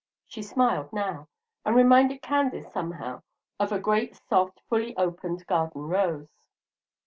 She smiled now, and reminded Candace somehow of a great, soft, fully opened garden rose.